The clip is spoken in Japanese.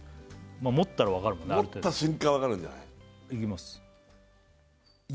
持ったらわかるもんねある程度持った瞬間わかるんじゃないいきます